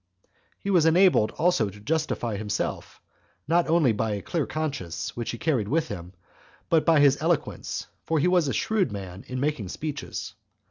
He was enabled also to justify himself, not only by a clear conscience, which he carried within him, but by his eloquence; for he was a shrewd man in making speeches.